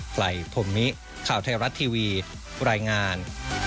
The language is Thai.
ไกลพรมมิข่าวไทยรัฐทีวีรายงาน